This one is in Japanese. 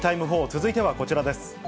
続いてはこちらです。